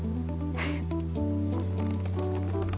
フフッ。